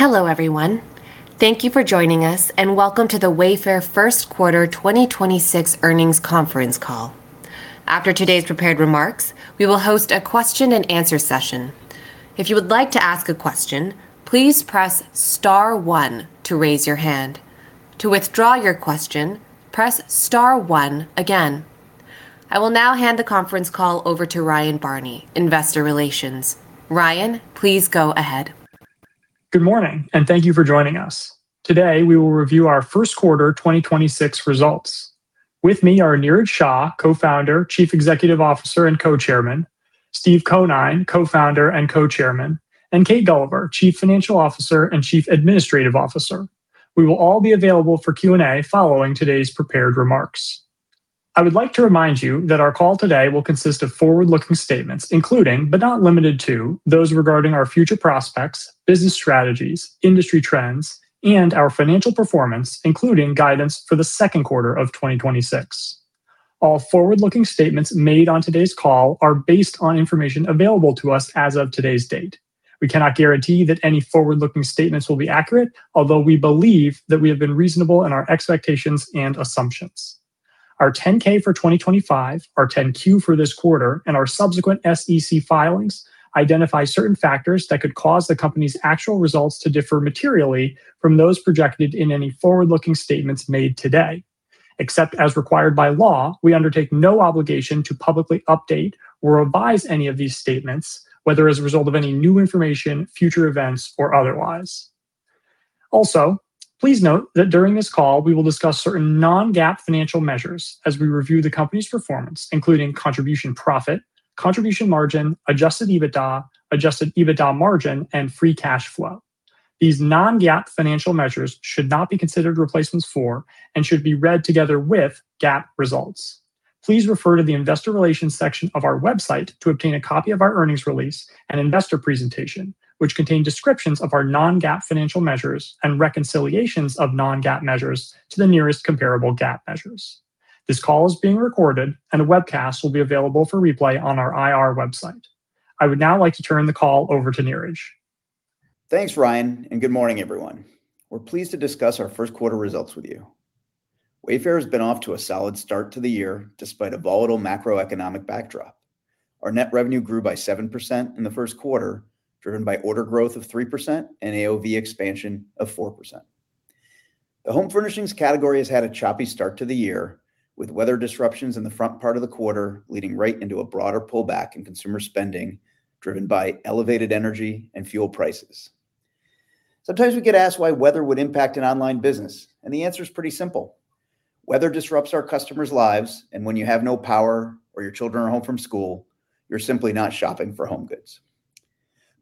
Hello, everyone. Thank you for joining us, and welcome to the Wayfair Q1 2026 earnings conference call. After today's prepared remarks, we will host a question and answer session. I will now hand the conference call over to Ryan Barney, investor relations. Ryan, please go ahead. Good morning. Thank you for joining us. Today, we will review our Q1 2026 results. With me are Niraj Shah, Co-founder, Chief Executive Officer, and Co-chairman, Steve Conine, Co-founder and Co-chairman, and Kate Gulliver, Chief Financial Officer and Chief Administrative Officer. We will all be available for Q&A following today's prepared remarks. I would like to remind you that our call today will consist of forward-looking statements, including, but not limited to, those regarding our future prospects, business strategies, industry trends, and our financial performance, including guidance for the Q2 of 2026. All forward-looking statements made on today's call are based on information available to us as of today's date. We cannot guarantee that any forward-looking statements will be accurate, although we believe that we have been reasonable in our expectations and assumptions. Our 10-K for 2025, our 10-Q for this quarter, and our subsequent SEC filings identify certain factors that could cause the company's actual results to differ materially from those projected in any forward-looking statements made today. Except as required by law, we undertake no obligation to publicly update or revise any of these statements, whether as a result of any new information, future events, or otherwise. Also, please note that during this call, we will discuss certain non-GAAP financial measures as we review the company's performance, including contribution profit, contribution margin, adjusted EBITDA, adjusted EBITDA margin, and free cash flow. These non-GAAP financial measures should not be considered replacements for and should be read together with GAAP results. Please refer to the investor relations section of our website to obtain a copy of our earnings release and investor presentation, which contain descriptions of our non-GAAP financial measures and reconciliations of non-GAAP measures to the nearest comparable GAAP measures. This call is being recorded, and a webcast will be available for replay on our IR website. I would now like to turn the call over to Niraj. Thanks, Ryan, and good morning, everyone. We're pleased to discuss our Q1 results with you. Wayfair has been off to a solid start to the year despite a volatile macroeconomic backdrop. Our net revenue grew by 7% in the Q1, driven by order growth of 3% and AOV expansion of 4%. The home furnishings category has had a choppy start to the year, with weather disruptions in the front part of the quarter leading right into a broader pullback in consumer spending, driven by elevated energy and fuel prices. Sometimes we get asked why weather would impact an online business, and the answer is pretty simple. Weather disrupts our customers' lives, and when you have no power or your children are home from school, you're simply not shopping for home goods.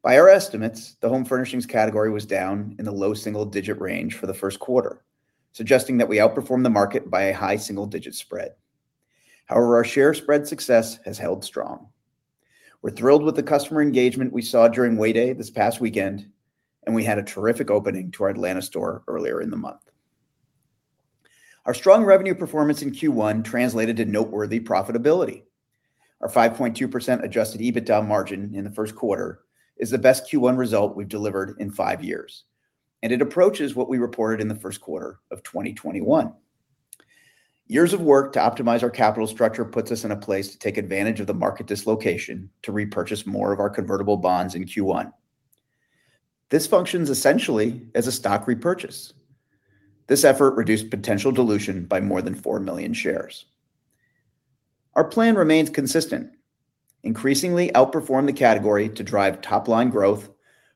By our estimates, the home furnishings category was down in the low single-digit range for the Q1, suggesting that we outperformed the market by a high single-digit spread. Our share spread success has held strong. We're thrilled with the customer engagement we saw during Way Day this past weekend, and we had a terrific opening to our Atlanta store earlier in the month. Our strong revenue performance in Q1 translated to noteworthy profitability. Our 5.2% adjusted EBITDA margin in the Q1 is the best Q1 result we've delivered in five years, and it approaches what we reported in the Q1 of 2021. Years of work to optimize our capital structure puts us in a place to take advantage of the market dislocation to repurchase more of our convertible bonds in Q1. This functions essentially as a stock repurchase. This effort reduced potential dilution by more than 4 million shares. Our plan remains consistent. Increasingly outperform the category to drive top-line growth,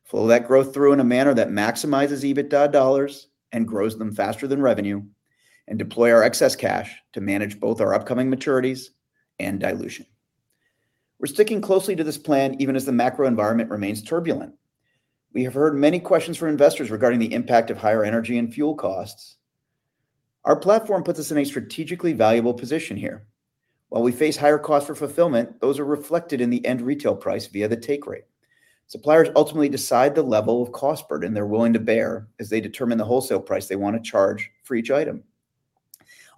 flow that growth through in a manner that maximizes EBITDA dollars and grows them faster than revenue, and deploy our excess cash to manage both our upcoming maturities and dilution. We're sticking closely to this plan, even as the macro environment remains turbulent. We have heard many questions from investors regarding the impact of higher energy and fuel costs. Our platform puts us in a strategically valuable position here. While we face higher costs for fulfillment, those are reflected in the end retail price via the take rate. Suppliers ultimately decide the level of cost burden they're willing to bear as they determine the wholesale price they want to charge for each item.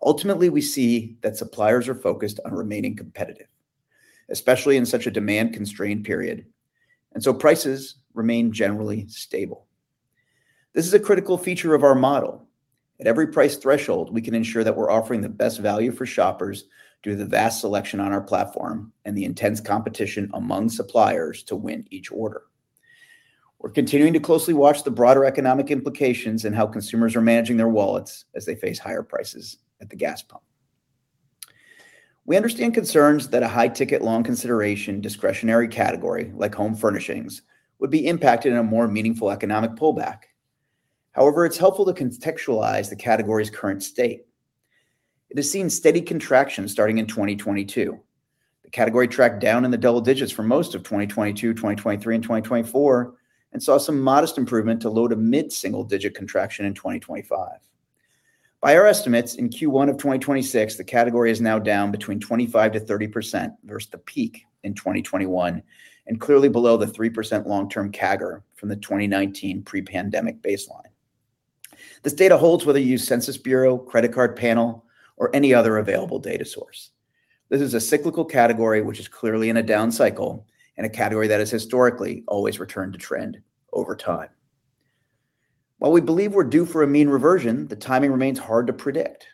Ultimately, we see that suppliers are focused on remaining competitive, especially in such a demand-constrained period. Prices remain generally stable. This is a critical feature of our model. At every price threshold, we can ensure that we're offering the best value for shoppers through the vast selection on our platform and the intense competition among suppliers to win each order. We're continuing to closely watch the broader economic implications and how consumers are managing their wallets as they face higher prices at the gas pump. We understand concerns that a high-ticket, long-consideration, discretionary category, like home furnishings, would be impacted in a more meaningful economic pullback. However, it's helpful to contextualize the category's current state. It has seen steady contraction starting in 2022. The category tracked down in the double digits for most of 2022, 2023, and 2024 and saw some modest improvement to low to mid-single digit contraction in 2025. By our estimates, in Q1 of 2026, the category is now down between 25%-30% versus the peak in 2021 and clearly below the 3% long-term CAGR from the 2019 pre-pandemic baseline. This data holds whether you use U.S. Census Bureau, credit card panel, or any other available data source. This is a cyclical category which is clearly in a down cycle, and a category that has historically always returned to trend over time. While we believe we're due for a mean reversion, the timing remains hard to predict.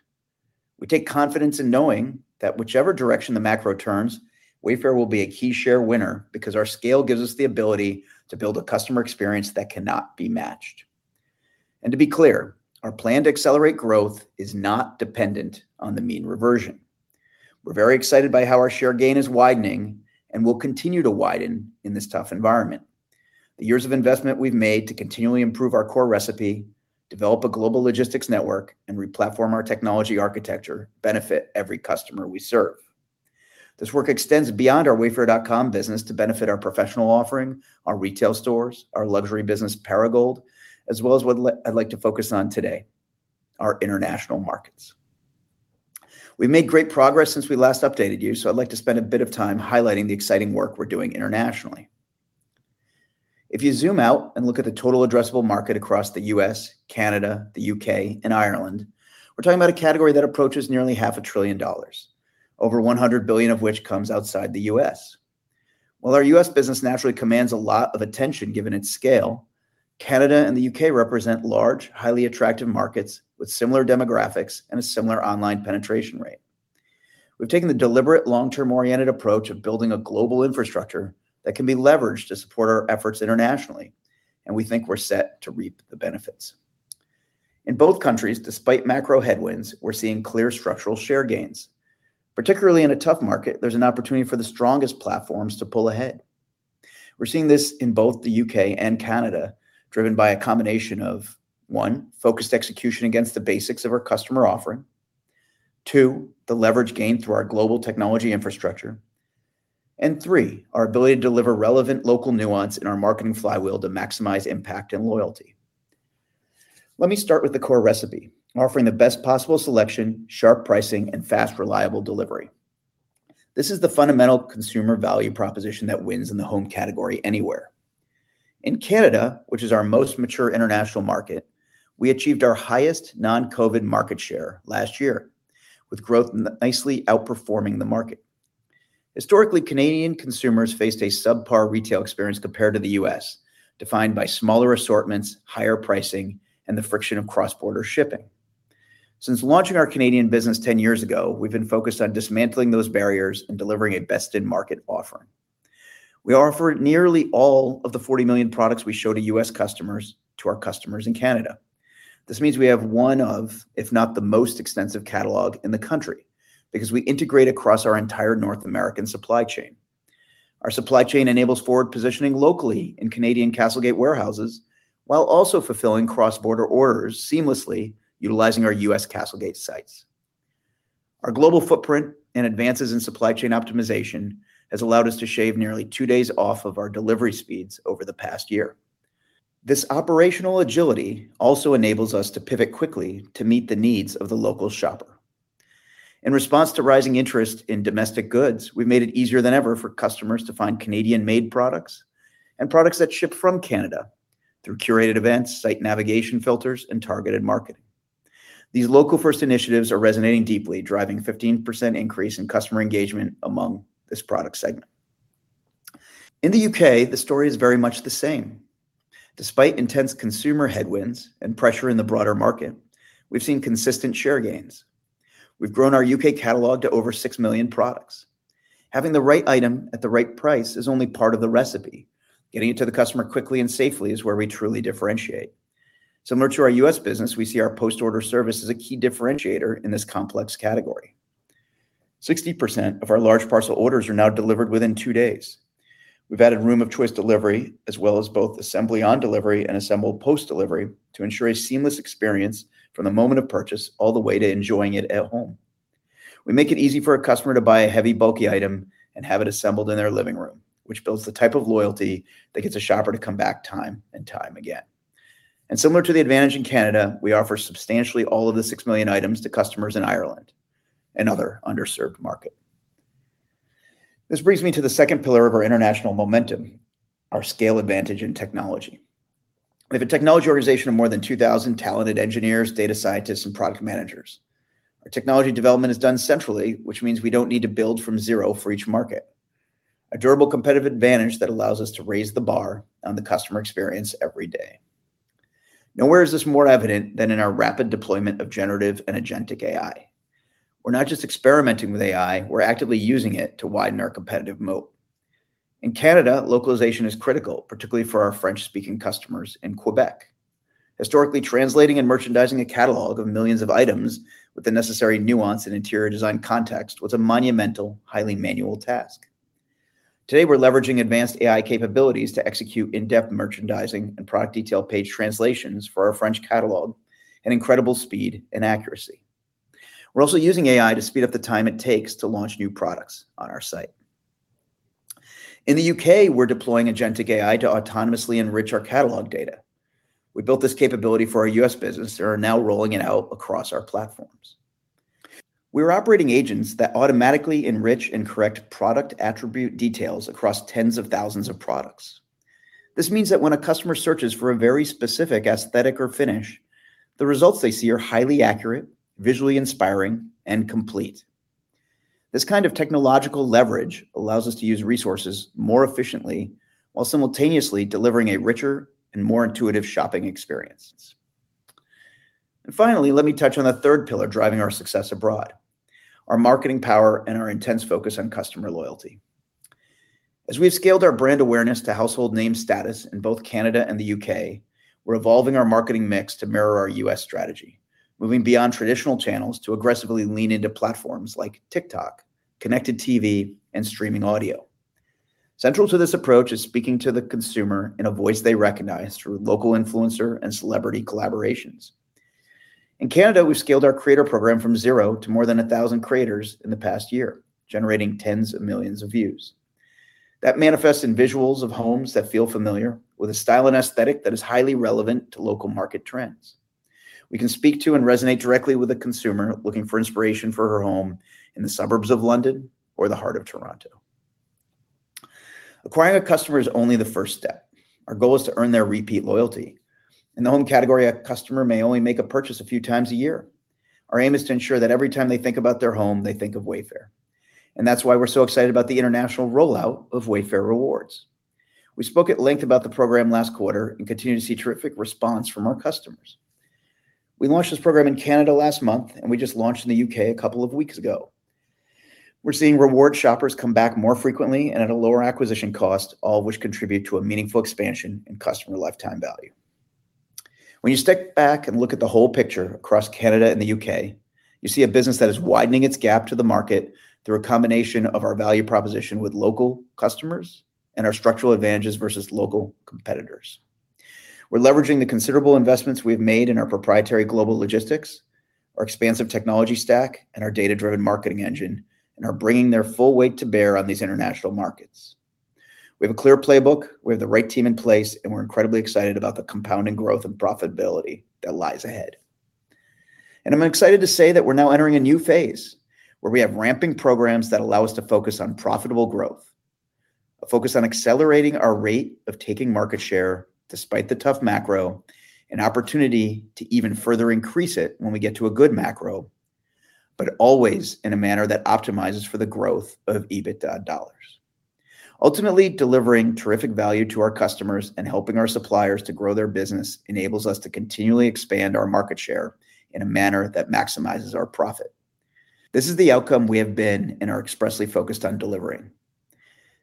We take confidence in knowing that whichever direction the macro turns, Wayfair will be a key share winner because our scale gives us the ability to build a customer experience that cannot be matched. To be clear, our plan to accelerate growth is not dependent on the mean reversion. We're very excited by how our share gain is widening and will continue to widen in this tough environment. The years of investment we've made to continually improve our core recipe, develop a global logistics network, and re-platform our technology architecture benefit every customer we serve. This work extends beyond our wayfair.com business to benefit our professional offering, our retail stores, our luxury business, Perigold, as well as what I'd like to focus on today, our international markets. We've made great progress since we last updated you, so I'd like to spend a bit of time highlighting the exciting work we're doing internationally. If you zoom out and look at the total addressable market across the U.S., Canada, the U.K., and Ireland, we're talking about a category that approaches nearly $500 billion, over $100 billion of which comes outside the U.S. While our U.S. business naturally commands a lot of attention given its scale, Canada and the U.K. represent large, highly attractive markets with similar demographics and a similar online penetration rate. We've taken the deliberate long-term oriented approach of building a global infrastructure that can be leveraged to support our efforts internationally, and we think we're set to reap the benefits. In both countries, despite macro headwinds, we're seeing clear structural share gains. Particularly in a tough market, there's an opportunity for the strongest platforms to pull ahead. We're seeing this in both the U.K. and Canada, driven by a combination of, one, focused execution against the basics of our customer offering, two, the leverage gained through our global technology infrastructure, and three, our ability to deliver relevant local nuance in our marketing flywheel to maximize impact and loyalty. Let me start with the core recipe, offering the best possible selection, sharp pricing, and fast, reliable delivery. This is the fundamental consumer value proposition that wins in the home category anywhere. In Canada, which is our most mature international market, we achieved our highest non-COVID market share last year, with growth nicely outperforming the market. Historically, Canadian consumers faced a subpar retail experience compared to the U.S., defined by smaller assortments, higher pricing, and the friction of cross-border shipping. Since launching our Canadian business 10 years ago, we've been focused on dismantling those barriers and delivering a best-in-market offering. We offer nearly all of the 40 million products we show to U.S. customers to our customers in Canada. This means we have one of, if not the most extensive catalog in the country, because we integrate across our entire North American supply chain. Our supply chain enables forward positioning locally in Canadian CastleGate warehouses, while also fulfilling cross-border orders seamlessly utilizing our U.S. CastleGate sites. Our global footprint and advances in supply chain optimization has allowed us to shave nearly two days off of our delivery speeds over the past year. This operational agility also enables us to pivot quickly to meet the needs of the local shopper. In response to rising interest in domestic goods, we've made it easier than ever for customers to find Canadian-made products and products that ship from Canada through curated events, site navigation filters, and targeted marketing. These local-first initiatives are resonating deeply, driving a 15% increase in customer engagement among this product segment. In the U.K., the story is very much the same. Despite intense consumer headwinds and pressure in the broader market, we've seen consistent share gains. We've grown our U.K. catalog to over 6 million products. Having the right item at the right price is only part of the recipe. Getting it to the customer quickly and safely is where we truly differentiate. Similar to our U.S. business, we see our post-order service as a key differentiator in this complex category. 60% of our large parcel orders are now delivered within two days. We've added room of choice delivery, as well as both assembly on delivery and assembled post-delivery to ensure a seamless experience from the moment of purchase all the way to enjoying it at home. We make it easy for a customer to buy a heavy, bulky item and have it assembled in their living room, which builds the type of loyalty that gets a shopper to come back time and time again. Similar to the advantage in Canada, we offer substantially all of the 6 million items to customers in Ireland, another underserved market. This brings me to the second pillar of our international momentum, our scale advantage in technology. We have a technology organization of more than 2,000 talented engineers, data scientists, and product managers. Our technology development is done centrally, which means we don't need to build from zero for each market, a durable competitive advantage that allows us to raise the bar on the customer experience every day. Nowhere is this more evident than in our rapid deployment of generative and Agentic AI. We're not just experimenting with AI, we're actively using it to widen our competitive moat. In Canada, localization is critical, particularly for our French-speaking customers in Quebec. Historically, translating and merchandising a catalog of millions of items with the necessary nuance and interior design context was a monumental, highly manual task. Today, we're leveraging advanced AI capabilities to execute in-depth merchandising and product detail page translations for our French catalog at incredible speed and accuracy. We're also using AI to speed up the time it takes to launch new products on our site. In the U.K., we're deploying Agentic AI to autonomously enrich our catalog data. We built this capability for our U.S. business and are now rolling it out across our platforms. We're operating agents that automatically enrich and correct product attribute details across tens of thousands of products. This means that when a customer searches for a very specific aesthetic or finish, the results they see are highly accurate, visually inspiring, and complete. This kind of technological leverage allows us to use resources more efficiently while simultaneously delivering a richer and more intuitive shopping experience. Finally, let me touch on the third pillar driving our success abroad, our marketing power and our intense focus on customer loyalty. As we have scaled our brand awareness to household name status in both Canada and the U.K., we're evolving our marketing mix to mirror our U.S. strategy, moving beyond traditional channels to aggressively lean into platforms like TikTok, connected TV, and streaming audio. Central to this approach is speaking to the consumer in a voice they recognize through local influencer and celebrity collaborations. In Canada, we've scaled our creator program from zero to more than 1,000 creators in the past year, generating tens of millions of views. That manifests in visuals of homes that feel familiar with a style and aesthetic that is highly relevant to local market trends. We can speak to and resonate directly with a consumer looking for inspiration for her home in the suburbs of London or the heart of Toronto. Acquiring a customer is only the first step. Our goal is to earn their repeat loyalty. In the home category, a customer may only make a purchase a few times a year. Our aim is to ensure that every time they think about their home, they think of Wayfair, and that's why we're so excited about the international rollout of Wayfair Rewards. We spoke at length about the program last quarter and continue to see terrific response from our customers. We launched this program in Canada last month, and we just launched in the U.K. a couple of weeks ago. We're seeing reward shoppers come back more frequently and at a lower acquisition cost, all of which contribute to a meaningful expansion in customer lifetime value. When you step back and look at the whole picture across Canada and the U.K., you see a business that is widening its gap to the market through a combination of our value proposition with local customers and our structural advantages versus local competitors. We're leveraging the considerable investments we have made in our proprietary global logistics, our expansive technology stack, and our data-driven marketing engine, and are bringing their full weight to bear on these international markets. We have a clear playbook, we have the right team in place, and we're incredibly excited about the compounding growth and profitability that lies ahead. I'm excited to say that we're now entering a new phase where we have ramping programs that allow us to focus on profitable growth, a focus on accelerating our rate of taking market share despite the tough macro, and opportunity to even further increase it when we get to a good macro, but always in a manner that optimizes for the growth of EBITDA dollars. Ultimately, delivering terrific value to our customers and helping our suppliers to grow their business enables us to continually expand our market share in a manner that maximizes our profit. This is the outcome we have been and are expressly focused on delivering.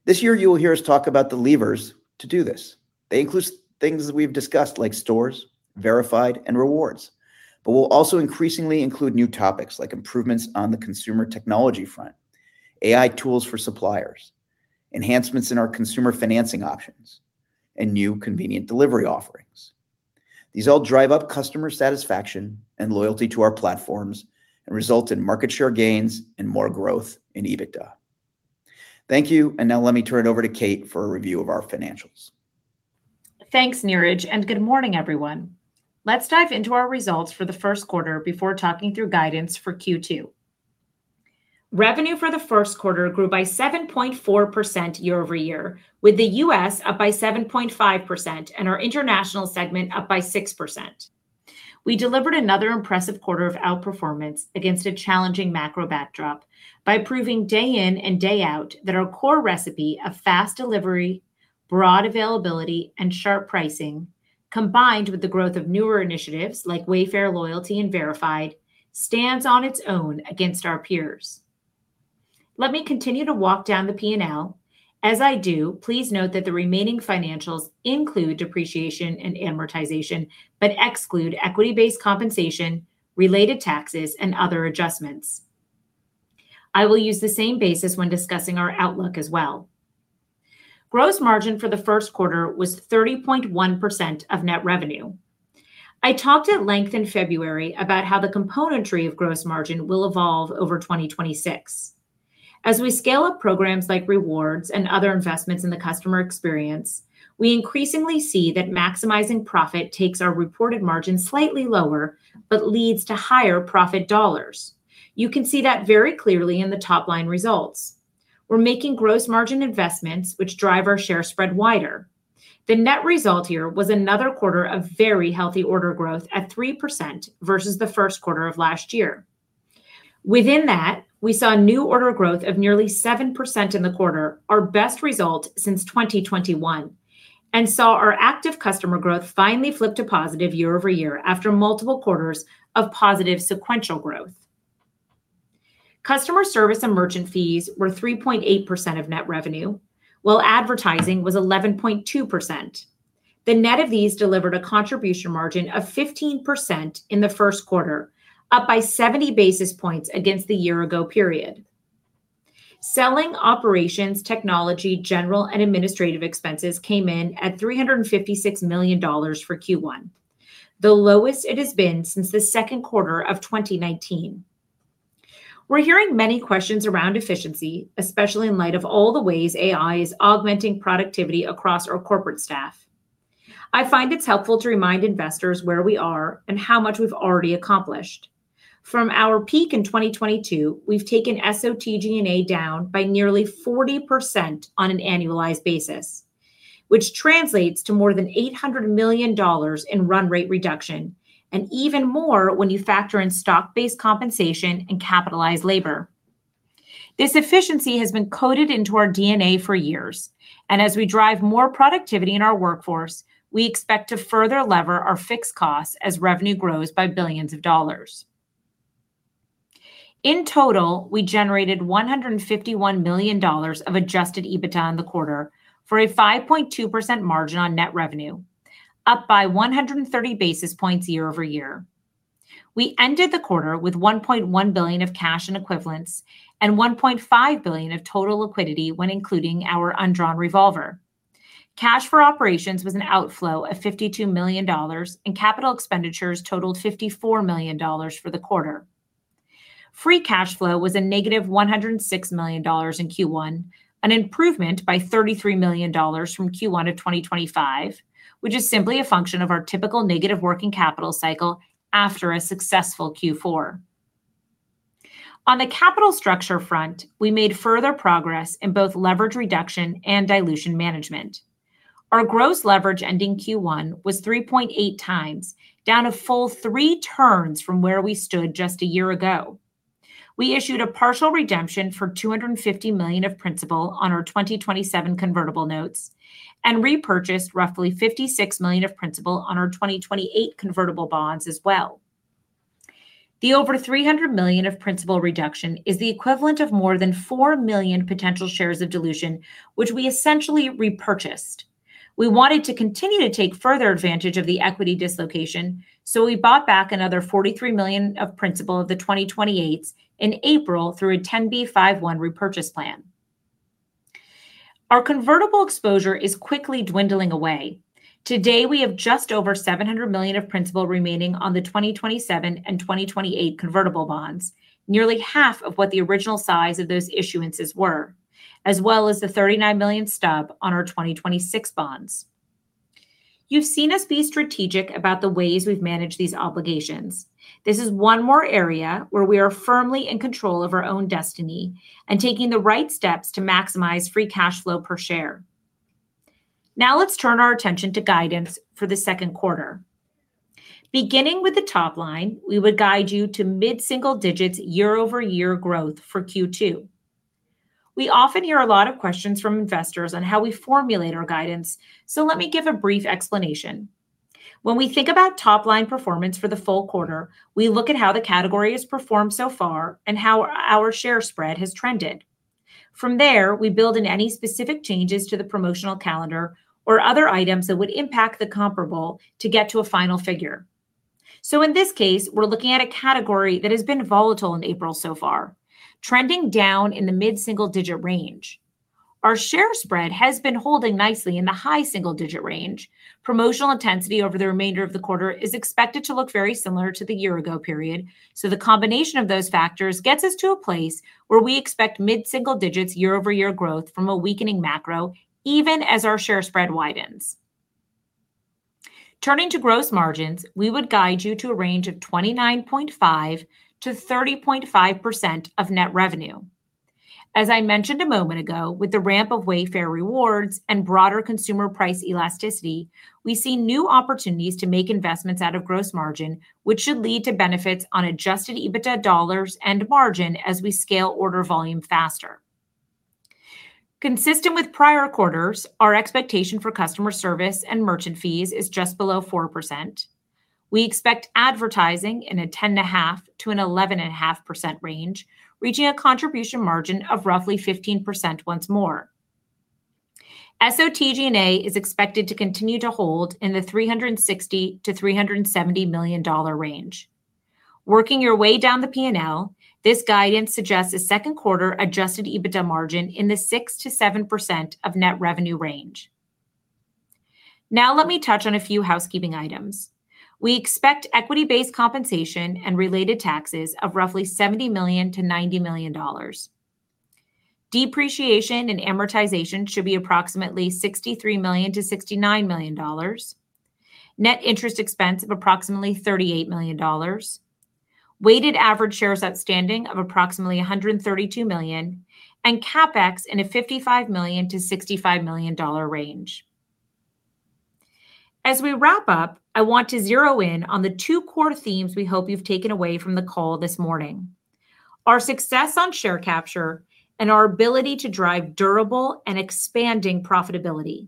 This year, you will hear us talk about the levers to do this. They include things that we've discussed, like Stores, Verified, and Rewards. We'll also increasingly include new topics, like improvements on the consumer technology front, AI tools for suppliers, enhancements in our consumer financing options, and new convenient delivery offerings. These all drive up customer satisfaction and loyalty to our platforms and result in market share gains and more growth in EBITDA. Thank you. Now let me turn it over to Kate for a review of our financials. Thanks, Niraj, good morning, everyone. Let's dive into our results for the Q1 before talking through guidance for Q2. Revenue for the Q1 grew by 7.4% year-over-year, with the U.S. up by 7.5% and our international segment up by 6%. We delivered another impressive quarter of outperformance against a challenging macro backdrop by proving day in and day out that our core recipe of fast delivery, broad availability, and sharp pricing, combined with the growth of newer initiatives like Wayfair Loyalty and Verified, stands on its own against our peers. Let me continue to walk down the P&L. As I do, please note that the remaining financials include depreciation and amortization, but exclude equity-based compensation, related taxes, and other adjustments. I will use the same basis when discussing our outlook as well. Gross margin for the Q1 was 30.1% of net revenue. I talked at length in February about how the componentry of gross margin will evolve over 2026. As we scale up programs like Rewards and other investments in the customer experience, we increasingly see that maximizing profit takes our reported margin slightly lower but leads to higher profit dollars. You can see that very clearly in the top-line results. We're making gross margin investments which drive our share spread wider. The net result here was another quarter of very healthy order growth at 3% versus the Q1 of last year. Within that, we saw new order growth of nearly 7% in the quarter, our best result since 2021, and saw our active customer growth finally flip to positive year-over-year after multiple quarters of positive sequential growth. Customer service and merchant fees were 3.8% of net revenue, while advertising was 11.2%. The net of these delivered a contribution margin of 15% in the Q1, up by 70 basis points against the year ago period. Selling, Operations, Technology, General, and Administrative expenses came in at $356 million for Q1, the lowest it has been since the Q2 of 2019. We're hearing many questions around efficiency, especially in light of all the ways AI is augmenting productivity across our corporate staff. I find it's helpful to remind investors where we are and how much we've already accomplished. From our peak in 2022, we've taken SOTG&A down by nearly 40% on an annualized basis, which translates to more than $800 million in run rate reduction, and even more when you factor in stock-based compensation and capitalized labor. This efficiency has been coded into our DNA for years. As we drive more productivity in our workforce, we expect to further lever our fixed costs as revenue grows by billions of dollars. In total, we generated $151 million of adjusted EBITDA in the quarter for a 5.2% margin on net revenue, up by 130 basis points year-over-year. We ended the quarter with $1.1 billion of cash and equivalents and $1.5 billion of total liquidity when including our undrawn revolver. Cash for operations was an outflow of $52 million, and capital expenditures totaled $54 million for the quarter. Free cash flow was a negative $106 million in Q1, an improvement by $33 million from Q1 of 2025, which is simply a function of our typical negative working capital cycle after a successful Q4. On the capital structure front, we made further progress in both leverage reduction and dilution management. Our gross leverage ending Q1 was 3.8x, down a full three turns from where we stood just a year ago. We issued a partial redemption for $250 million of principal on our 2027 convertible notes and repurchased roughly $56 million of principal on our 2028 convertible bonds as well. The over $300 million of principal reduction is the equivalent of more than 4 million potential shares of dilution, which we essentially repurchased. We wanted to continue to take further advantage of the equity dislocation, we bought back another $43 million of principal of the 2028s in April through a 10b5-1 repurchase plan. Our convertible exposure is quickly dwindling away. Today, we have just over $700 million of principal remaining on the 2027 and 2028 convertible bonds, nearly half of what the original size of those issuances were, as well as the $39 million stub on our 2026 bonds. You've seen us be strategic about the ways we've managed these obligations. This is one more area where we are firmly in control of our own destiny and taking the right steps to maximize free cash flow per share. Now let's turn our attention to guidance for the Q2. Beginning with the top line, we would guide you to mid-single digits year-over-year growth for Q2. We often hear a lot of questions from investors on how we formulate our guidance, so let me give a brief explanation. When we think about top-line performance for the full quarter, we look at how the category has performed so far and how our share spread has trended. From there, we build in any specific changes to the promotional calendar or other items that would impact the comparable to get to a final figure. In this case, we're looking at a category that has been volatile in April so far, trending down in the mid-single-digit range. Our share spread has been holding nicely in the high single-digit range. Promotional intensity over the remainder of the quarter is expected to look very similar to the year ago period. The combination of those factors gets us to a place where we expect mid-single-digits year-over-year growth from a weakening macro, even as our share spread widens. Turning to gross margins, we would guide you to a range of 29.5%-30.5% of net revenue. As I mentioned a moment ago, with the ramp of Wayfair Rewards and broader consumer price elasticity, we see new opportunities to make investments out of gross margin, which should lead to benefits on adjusted EBITDA dollars and margin as we scale order volume faster. Consistent with prior quarters, our expectation for customer service and merchant fees is just below 4%. We expect advertising in a 10.5%-11.5% range, reaching a contribution margin of roughly 15% once more. SOTG&A is expected to continue to hold in the $360 million-$370 million range. Working your way down the P&L, this guidance suggests a Q2 adjusted EBITDA margin in the 6%-7% of net revenue range. Let me touch on a few housekeeping items. We expect equity-based compensation and related taxes of roughly $70 million-$90 million. Depreciation and amortization should be approximately $63 million-$69 million. Net interest expense of approximately $38 million. Weighted average shares outstanding of approximately 132 million, and CapEx in a $55 million-$65 million range. As we wrap up, I want to zero in on the two core themes we hope you've taken away from the call this morning. Our success on share capture and our ability to drive durable and expanding profitability.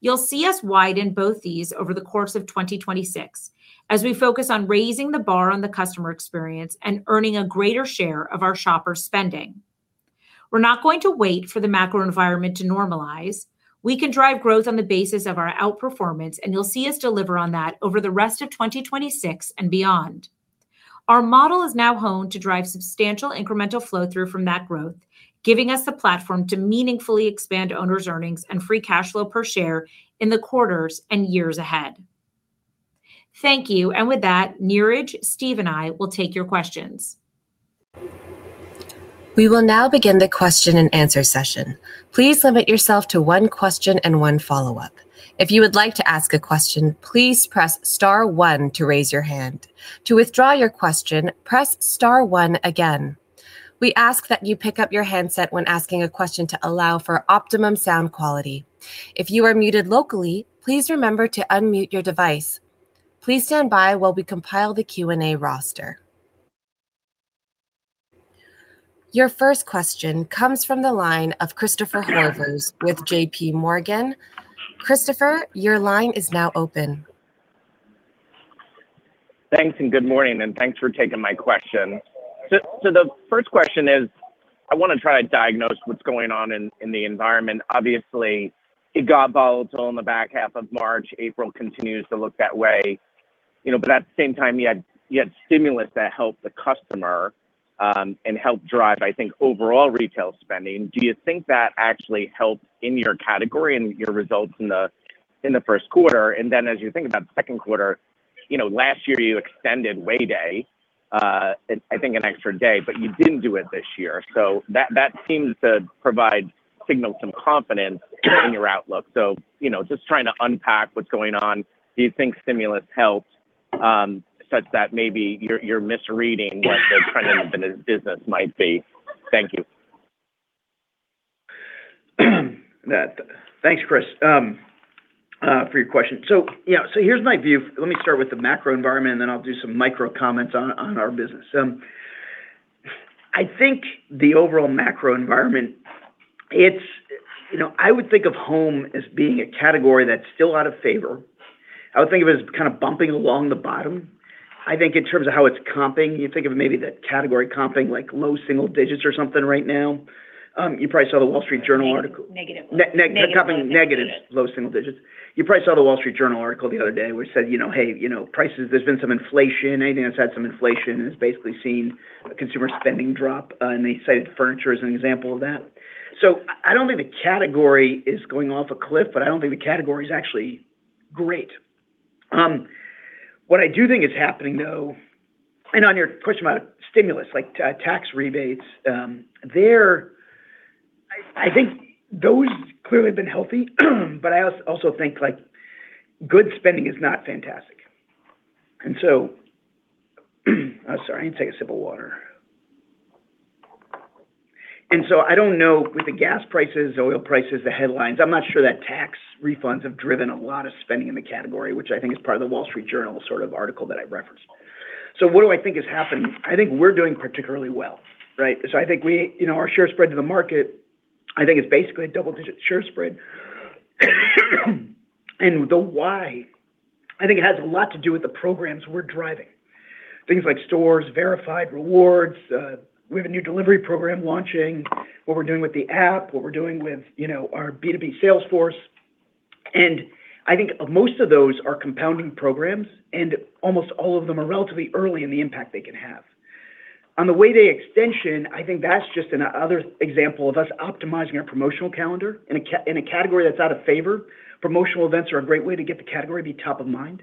You'll see us widen both these over the course of 2026 as we focus on raising the bar on the customer experience and earning a greater share of our shoppers' spending. We're not going to wait for the macro environment to normalize. We can drive growth on the basis of our outperformance, and you'll see us deliver on that over the rest of 2026 and beyond. Our model is now honed to drive substantial incremental flow-through from that growth, giving us the platform to meaningfully expand owners' earnings and free cash flow per share in the quarters and years ahead. Thank you. With that, Niraj, Steve, and I will take your questions. We will now begin the question and answer session. Please limit yourself to one question and one follow-up. If you would like to ask a question, please press star one to raise your hand. To withdraw your question, press star one again. We ask that you pick up your handset when asking a question to allow for optimum sound quality. If you are muted locally, please remember to unmute your device. Please stand by while we compile the Q&A roster. Your first question comes from the line of Christopher Horvers with JPMorgan. Christopher, your line is now open. Thanks, good morning, and thanks for taking my question. The first question is, I want to try to diagnose what's going on in the environment. Obviously, it got volatile in the back half of March. April continues to look that way. At the same time, you had stimulus that helped the customer and helped drive, I think, overall retail spending. Do you think that actually helped in your category and your results in the Q1? As you think about the Q2, last year you extended Way Day, I think an extra day, but you didn't do it this year. That seems to provide signal some confidence in your outlook. Just trying to unpack what's going on. Do you think stimulus helped, such that maybe you're misreading what the trend in the business might be? Thank you. Thanks, Chris, for your question. Yeah, here's my view. Let me start with the macro environment, and then I'll do some micro comments on our business. I think the overall macro environment. You know, I would think of home as being a category that's still out of favor. I would think of it as kind of bumping along the bottom. I think in terms of how it's comping, you think of maybe the category comping, like low single digits or something right now. You probably saw The Wall Street Journal article. Negative. Comping negative. Negative low single digits. Low single digits. You probably saw The Wall Street Journal article the other day which said, you know, hey, you know, prices, there's been some inflation. Anything that's had some inflation has basically seen consumer spending drop, and they cited furniture as an example of that. I don't think the category is going off a cliff, but I don't think the category's actually great. What I do think is happening though, and on your question about stimulus, like, tax rebates, I think those clearly have been healthy. I also think, like, good spending is not fantastic. Sorry, I need to take a sip of water. I don't know with the gas prices, the oil prices, the headlines, I'm not sure that tax refunds have driven a lot of spending in the category, which I think is part of The Wall Street Journal sort of article that I referenced. What do I think is happening? I think we're doing particularly well, right? I think we You know, our share spread to the market, I think, is basically a double-digit share spread. The why, I think, has a lot to do with the programs we're driving. Things like Stores, Verified, Rewards. We have a new delivery program launching. What we're doing with the app, what we're doing with, you know, our B2B sales force. I think most of those are compounding programs, and almost all of them are relatively early in the impact they can have. On the Way Day extension, I think that's just another example of us optimizing our promotional calendar. In a category that's out of favor, promotional events are a great way to get the category to be top of mind.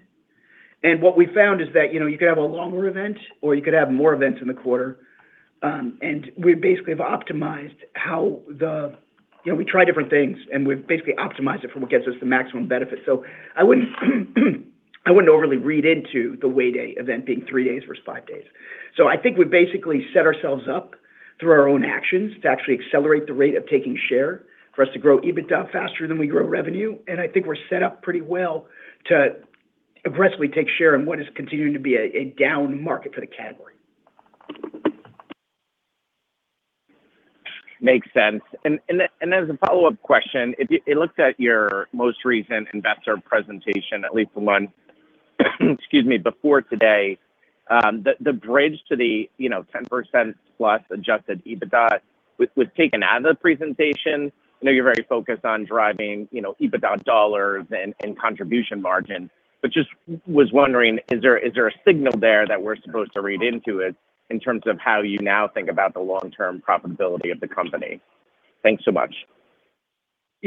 What we found is that, you know, you could have a longer event or you could have more events in the quarter. We basically have optimized how the. You know, we try different things, and we've basically optimized it for what gets us the maximum benefit. I wouldn't overly read into the Way Day event being three days versus five days. I think we basically set ourselves up through our own actions to actually accelerate the rate of taking share for us to grow EBITDA faster than we grow revenue. I think we're set up pretty well to aggressively take share in what is continuing to be a down market for the category. Makes sense. As a follow-up question, I looked at your most recent investor presentation, at least the one before today. The bridge to the, you know, 10%+ adjusted EBITDA was taken out of the presentation. I know you're very focused on driving, you know, EBITDA dollars and contribution margin. Just was wondering, is there a signal there that we're supposed to read into it in terms of how you now think about the long-term profitability of the company? Thanks so much.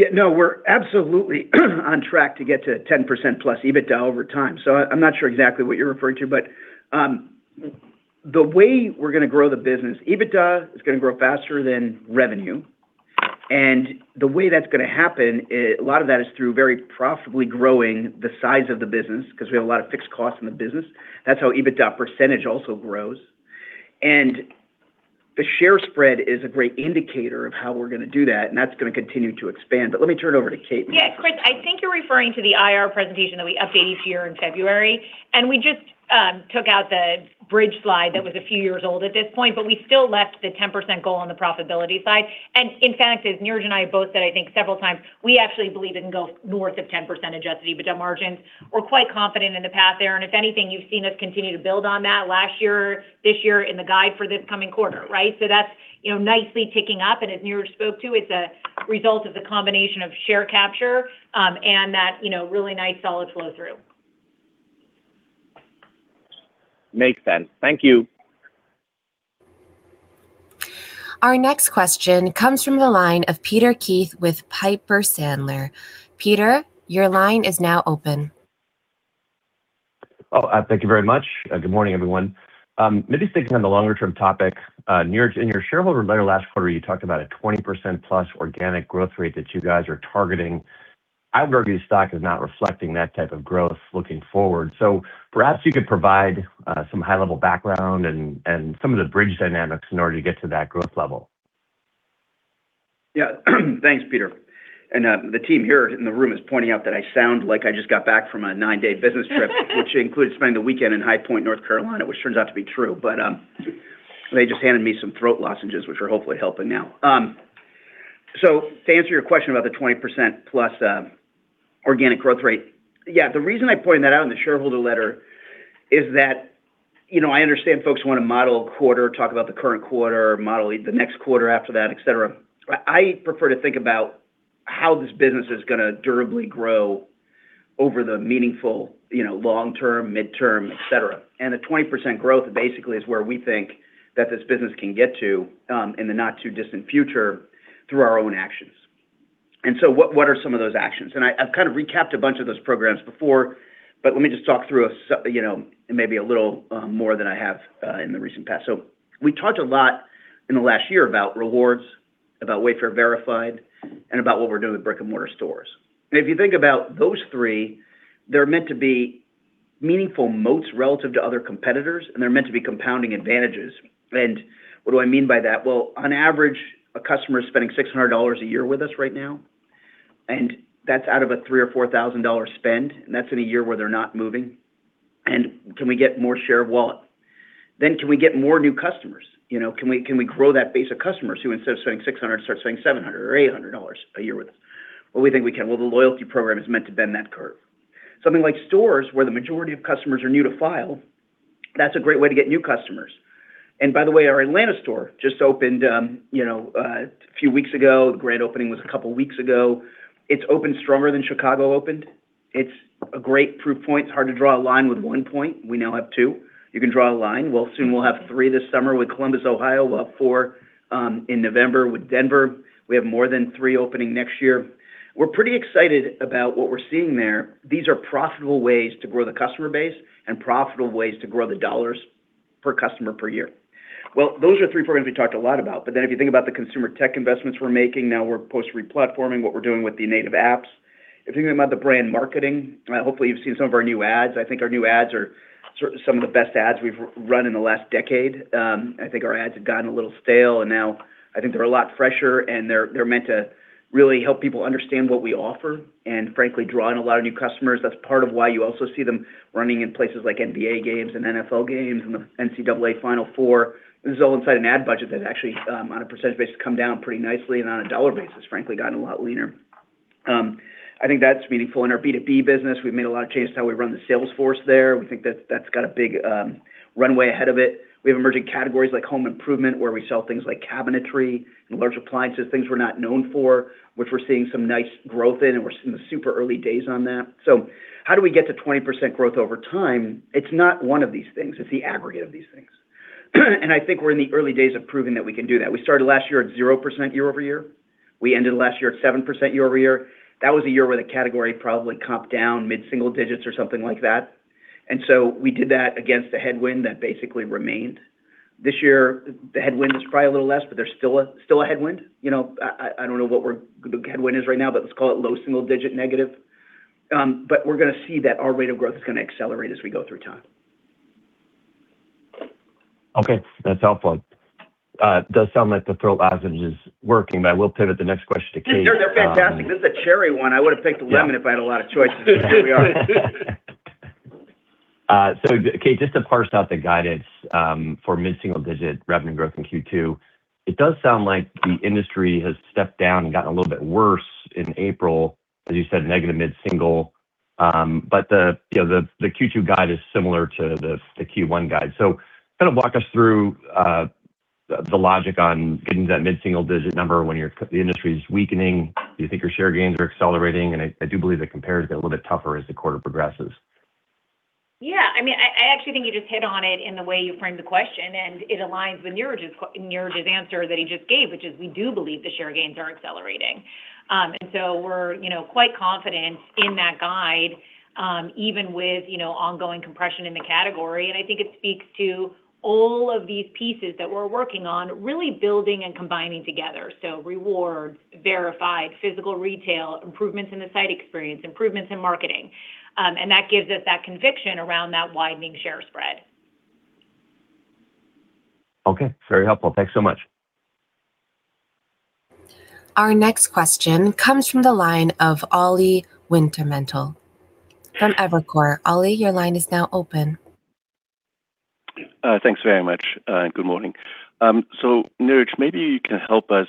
Yeah, no, we're absolutely on track to get to 10%+ EBITDA over time. I'm not sure exactly what you're referring to. The way we're gonna grow the business, EBITDA is gonna grow faster than revenue, and the way that's gonna happen, a lot of that is through very profitably growing the size of the business, 'cause we have a lot of fixed costs in the business. That's how EBITDA percentage also grows. The share spread is a great indicator of how we're gonna do that, and that's gonna continue to expand. Let me turn it over to Kate. Yeah. Chris, I think you're referring to the IR presentation that we update each year in February, and we just took out the bridge slide that was a few years old at this point. We still left the 10% goal on the profitability side. In fact, as Niraj and I have both said, I think several times, we actually believe it can go north of 10% adjusted EBITDA margins. We're quite confident in the path there. If anything, you've seen us continue to build on that last year, this year, in the guide for this coming quarter, right? That's, you know, nicely ticking up. As Niraj spoke to, it's a result of the combination of share capture, and that, you know, really nice solid flow through. Makes sense. Thank you. Our next question comes from the line of Peter Keith with Piper Sandler. Peter, your line is now open. Thank you very much. Good morning everyone. Maybe sticking on the longer term topic, in your shareholder letter last quarter, you talked about a 20%+ organic growth rate that you guys are targeting. I've reviewed stock as not reflecting that type of growth looking forward. Perhaps you could provide some high-level background and some of the bridge dynamics in order to get to that growth level. Thanks, Peter. The team here in the room is pointing out that I sound like I just got back from a nine-day business trip, which includes spending the weekend in High Point, North Carolina, which turns out to be true. They just handed me some throat lozenges, which are hopefully helping now. To answer your question about the 20%+ organic growth rate. The reason I pointed that out in the shareholder letter is that, you know, I understand folks want to model a quarter, talk about the current quarter, model the next quarter after that, et cetera. I prefer to think about how this business is gonna durably grow over the meaningful, you know, long term, midterm, et cetera. The 20% growth basically is where we think that this business can get to in the not too distant future through our own actions. What are some of those actions? I've kind of recapped a bunch of those programs before, but let me just talk through a little more than I have in the recent past. We talked a lot in the last year about Wayfair Rewards, about Wayfair Verified, and about what we're doing with brick-and-mortar stores. If you think about those three, they're meant to be meaningful moats relative to other competitors, and they're meant to be compounding advantages. What do I mean by that? Well, on average, a customer is spending $600 a year with us right now, and that's out of a $3,000 or $4,000 spend, and that's in a year where they're not moving. Can we get more share of wallet? Can we get more new customers? You know, can we grow that base of customers who instead of spending $600, start spending $700 or $800 a year with us? Well, we think we can. Well, the loyalty program is meant to bend that curve. Something like Stores where the majority of customers are new to file, that's a great way to get new customers. By the way, our Atlanta store just opened, you know, a few weeks ago. The grand opening was a couple weeks ago. It's opened stronger than Chicago opened. It's a great proof point. It's hard to draw a line with one point. We now have two. You can draw a line. Soon we'll have three this summer with Columbus, Ohio. We'll have four in November with Denver. We have more than three opening next year. We're pretty excited about what we're seeing there. These are profitable ways to grow the customer base and profitable ways to grow the dollars per customer per year. Those are three programs we talked a lot about. If you think about the consumer tech investments we're making now, we're post-replatforming what we're doing with the native apps. If you think about the brand marketing, hopefully you've seen some of our new ads. I think our new ads are some of the best ads we've run in the last decade. I think our ads have gotten a little stale, and now I think they're a lot fresher and they're meant to really help people understand what we offer and frankly, draw in a lot of new customers. That's part of why you also see them running in places like NBA games and NFL games and the NCAA Final Four. This is all inside an ad budget that actually, on a percentage basis, come down pretty nicely and on a dollar basis, frankly, gotten a lot leaner. I think that's meaningful. In our B2B business, we've made a lot of changes to how we run the sales force there. We think that that's got a big runway ahead of it. We have emerging categories like home improvement, where we sell things like cabinetry and large appliances, things we're not known for, which we're seeing some nice growth in. We're seeing the super early days on that. How do we get to 20% growth over time? It's not one of these things, it's the aggregate of these things. I think we're in the early days of proving that we can do that. We started last year at 0% year-over-year. We ended last year at 7% year-over-year. That was a year where the category probably comp down mid-single digits or something like that. We did that against the headwind that basically remained. This year, the headwind is probably a little less. There's still a headwind. You know, I don't know the headwind is right now, let's call it low single digit negative. We're gonna see that our rate of growth is gonna accelerate as we go through time. Okay. That's helpful. Does sound like the throat lozenge is working, but I will pivot the next question to Kate. They're fantastic. This is a cherry one. I would have picked lemon. Yeah If I had a lot of choices, but here we are. Kate, just to parse out the guidance for mid-single digit revenue growth in Q2, it does sound like the industry has stepped down and gotten a little bit worse in April, as you said, negative mid-single. The, you know, the Q2 guide is similar to the Q1 guide. Kind of walk us through the logic on getting that mid-single digit number when the industry is weakening. Do you think your share gains are accelerating? I do believe the compares get a little bit tougher as the quarter progresses. Yeah. I mean, I actually think you just hit on it in the way you framed the question, and it aligns with Niraj's answer that he just gave, which is we do believe the share gains are accelerating. We're, you know, quite confident in that guide, even with, you know, ongoing compression in the category. I think it speaks to all of these pieces that we're working on really building and combining together. Wayfair Rewards, Wayfair Verified, Stores, improvements in the site experience, improvements in marketing. That gives us that conviction around that widening share spread. Okay. Very helpful. Thanks so much. Our next question comes from the line of Oliver Wintermantel from Evercore. Oli, your line is now open. Thanks very much, and good morning. Niraj, maybe you can help us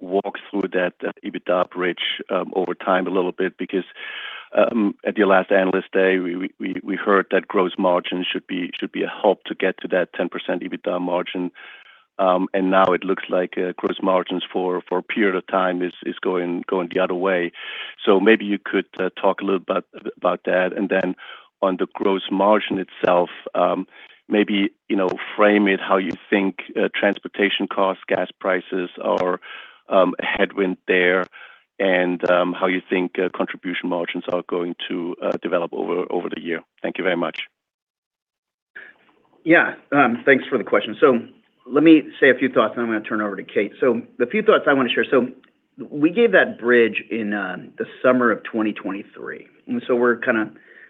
walk through that EBITDA bridge over time a little bit because at your last Analyst Day, we heard that gross margin should be a help to get to that 10% EBITDA margin. Now it looks like gross margins for a period of time is going the other way. Maybe you could talk a little bit about that. On the gross margin itself, maybe, you know, frame it how you think transportation costs, gas prices are a headwind there, and how you think contribution margins are going to develop over the year. Thank you very much. Yeah. Thanks for the question. Let me say a few thoughts, and I'm gonna turn it over to Kate. The few thoughts I wanna share. We gave that bridge in the summer of 2023,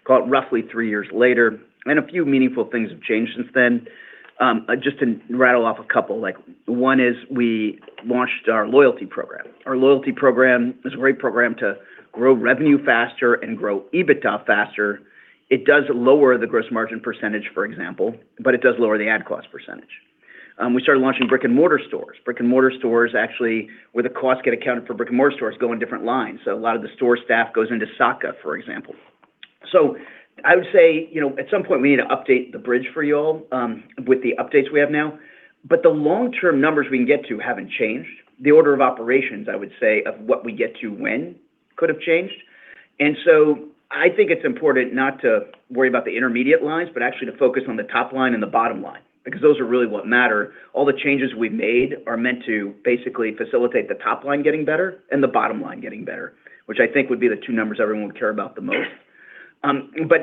call it roughly three years later, and a few meaningful things have changed since then. Just to rattle off a couple, like, one is we launched our Wayfair Rewards program. Our Wayfair Rewards program is a great program to grow revenue faster and grow EBITDA faster. It does lower the gross margin %, for example, but it does lower the ad cost %. We started launching Stores. Stores actually, where the costs get accounted for Stores go in different lines, so a lot of the store staff goes into SOTG&A, for example. I would say, you know, at some point we need to update the bridge for y'all with the updates we have now. The long-term numbers we can get to haven't changed. The order of operations, I would say, of what we get to when could have changed. I think it's important not to worry about the intermediate lines, but actually to focus on the top line and the bottom line, because those are really what matter. All the changes we've made are meant to basically facilitate the top line getting better and the bottom line getting better, which I think would be the two numbers everyone would care about the most.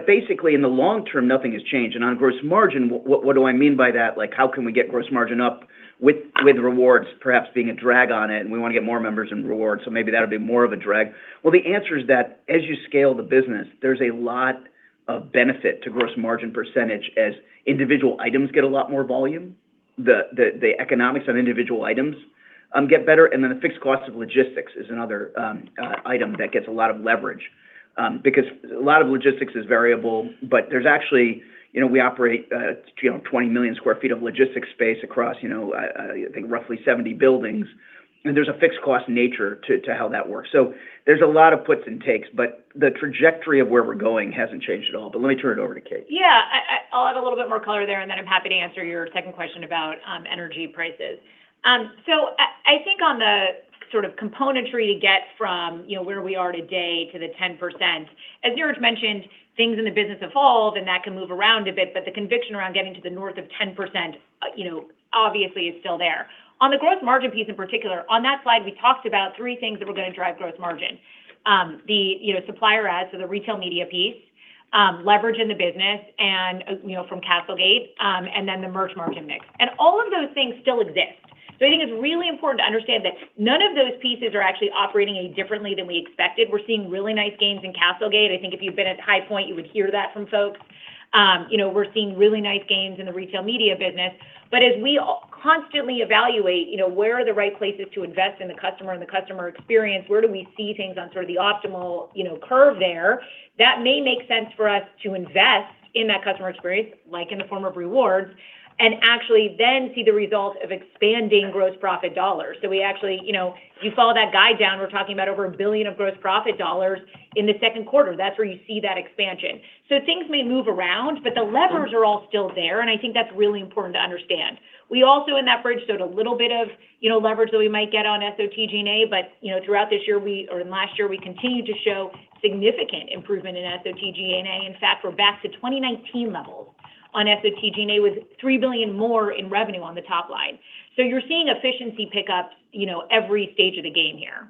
Basically in the long term, nothing has changed. On gross margin, what do I mean by that? How can we get gross margin up with Wayfair Rewards perhaps being a drag on it, and we wanna get more members in Wayfair Rewards, so maybe that'll be more of a drag. Well, the answer is that as you scale the business, there's a lot of benefit to gross margin percentage as individual items get a lot more volume. The economics on individual items get better, and then the fixed cost of logistics is another item that gets a lot of leverage. Because a lot of logistics is variable, but there's actually, you know, we operate, you know, 20 million sq ft of logistics space across, you know, I think roughly 70 buildings, and there's a fixed cost nature to how that works. There's a lot of puts and takes, but the trajectory of where we're going hasn't changed at all, but let me turn it over to Kate. Yeah. I'll add a little bit more color there, and then I'm happy to answer your second question about energy prices. I think on the sort of componentry to get from, you know, where we are today to the 10%, as Niraj mentioned, things in the business evolved, and that can move around a bit, but the conviction around getting to the north of 10%, you know, obviously is still there. On the gross margin piece in particular, on that slide, we talked about three things that were gonna drive gross margin. The, you know, supplier ads, so the retail media piece, leverage in the business, and, you know, from CastleGate, and then the merch margin mix. All of those things still exist. I think it's really important to understand that none of those pieces are actually operating any differently than we expected. We're seeing really nice gains in CastleGate. I think if you've been at High Point, you would hear that from folks. You know, we're seeing really nice gains in the retail media business. As we constantly evaluate, you know, where are the right places to invest in the customer and the customer experience, where do we see things on sort of the optimal, you know, curve there, that may make sense for us to invest in that customer experience, like in the form of rewards, and actually then see the result of expanding gross profit dollars. We actually, you know, if you follow that guide down, we're talking about over $1 billion of gross profit dollars in the Q2. That's where you see that expansion. Things may move around, but the levers are all still there, and I think that's really important to understand. We also in that bridge showed a little bit of, you know, leverage that we might get on SOTG&A. You know, throughout last year, we continued to show significant improvement in SOTG&A. In fact, we're back to 2019 levels on SOTG&A with $3 billion more in revenue on the top line. You're seeing efficiency pickups, you know, every stage of the game here.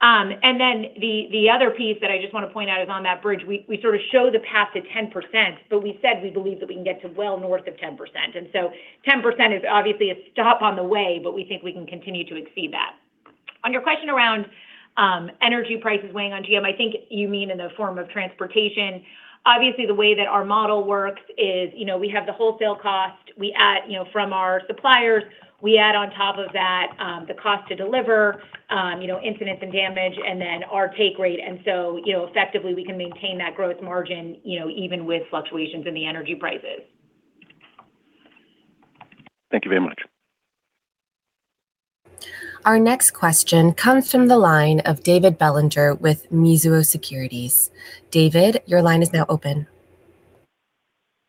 The other piece that I just want to point out is on that bridge, we sort of show the path to 10%, but we said we believe that we can get to well north of 10%. 10% is obviously a stop on the way, but we think we can continue to exceed that. On your question around energy prices weighing on GM, I think you mean in the form of transportation. Obviously, the way that our model works is, you know, we have the wholesale cost. We add, you know, from our suppliers, we add on top of that, the cost to deliver, you know, incidents and damage, then our take rate, you know, effectively, we can maintain that gross margin, you know, even with fluctuations in the energy prices. Thank you very much. Our next question comes from the line of David Bellinger with Mizuho Securities. David, your line is now open.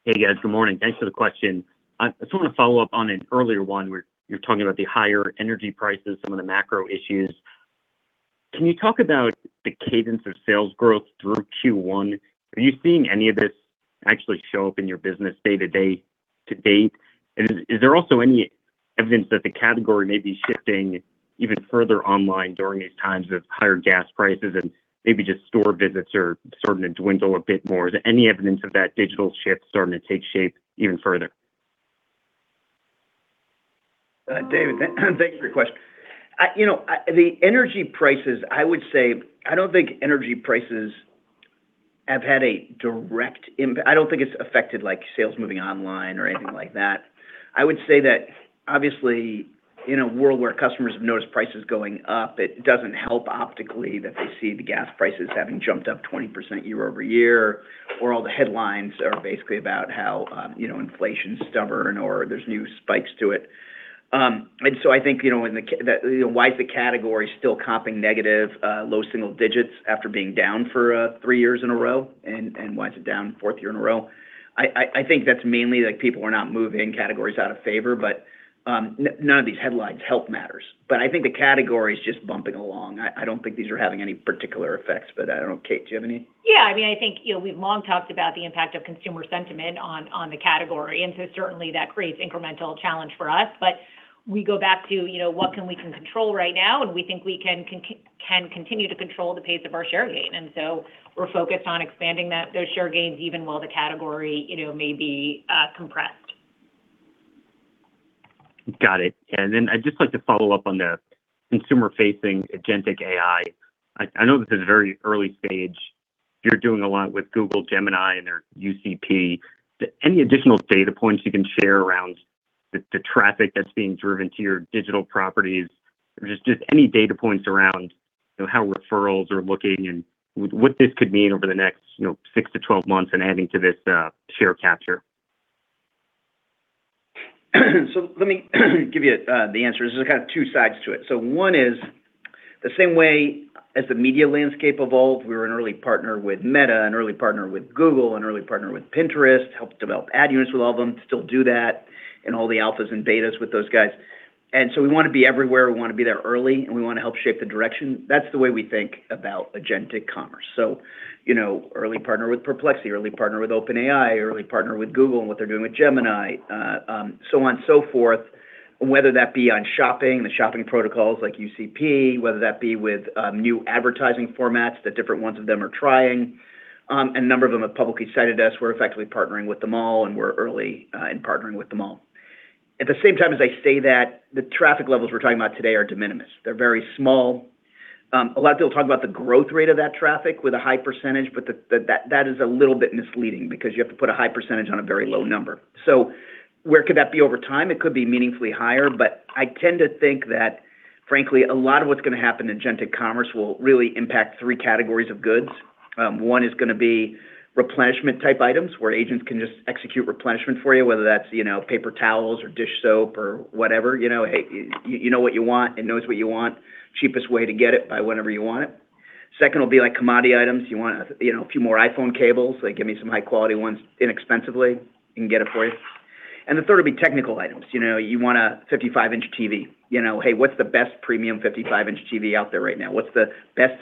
Hey, guys. Good morning. Thanks for the question. I just wanna follow up on an earlier one where you're talking about the higher energy prices, some of the macro issues. Can you talk about the cadence of sales growth through Q1? Are you seeing any of this actually show up in your business day to day to date? Is there also any evidence that the category may be shifting even further online during these times of higher gas prices and maybe just store visits are starting to dwindle a bit more? Is there any evidence of that digital shift starting to take shape even further? David, thank you for your question. You know, I The energy prices, I would say I don't think energy prices have had a direct I don't think it's affected, like, sales moving online or anything like that. I would say that obviously in a world where customers have noticed prices going up, it doesn't help optically that they see the gas prices having jumped up 20% year-over-year, or all the headlines are basically about how, you know, inflation's stubborn or there's new spikes to it. I think, you know, when the, you know, why is the category still comping negative, low single digits after being down for three years in a row, and why is it down fourth year in a row? I think that's mainly, like, people are not moving categories out of favor. None of these headlines help matters, but I think the category is just bumping along. I don't think these are having any particular effects, but I don't know. Kate, do you have any? Yeah, I mean, I think, you know, we've long talked about the impact of consumer sentiment on the category. Certainly that creates incremental challenge for us. We go back to, you know, what can we control right now? We think we can continue to control the pace of our share gain. We're focused on expanding those share gains even while the category, you know, may be compressed. Got it. I'd just like to follow up on the consumer-facing agentic AI. I know this is very early stage. You're doing a lot with Google Gemini and their UCP. Any additional data points you can share around the traffic that's being driven to your digital properties? Just any data points around, you know, how referrals are looking and what this could mean over the next, you know, six-12 months and adding to this share capture? Let me give you the answer. There's kind of two sides to it. One is the same way as the media landscape evolved, we were an early partner with Meta, an early partner with Google, an early partner with Pinterest, helped develop ad units with all of them, still do that, in all the alphas and betas with those guys. We want to be everywhere. We want to be there early, and we want to help shape the direction. That's the way we think about agentic commerce. You know, early partner with Perplexity, early partner with OpenAI, early partner with Google and what they're doing with Gemini, so on and so forth. Whether that be on shopping, the shopping protocols like UCP, whether that be with new advertising formats that different ones of them are trying. A number of them have publicly cited us. We're effectively partnering with them all, and we're early in partnering with them all. At the same time as I say that, the traffic levels we're talking about today are de minimis. They're very small. A lot of people talk about the growth rate of that traffic with a high percentage, but that is a little bit misleading because you have to put a high percentage on a very low number. Where could that be over time? It could be meaningfully higher, but I tend to think that frankly, a lot of what's going to happen in agentic commerce will really impact three categories of goods. One is gonna be replenishment type items, where agents can just execute replenishment for you, whether that's, you know, paper towels or dish soap or whatever. You know, hey, you know what you want, it knows what you want. Cheapest way to get it by whenever you want it. Second will be like commodity items. You want, you know, a few more iPhone cables, like, "Give me some high-quality ones inexpensively." It can get it for you. The third will be technical items. You know, you want a 55-inch TV. You know, "Hey, what's the best premium 55-inch TV out there right now? What's the best